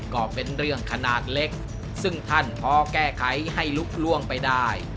ก็เป็นเรื่องขนาดเล็กซึ่งท่านพอแก้ไขให้ลุกล่วงไปได้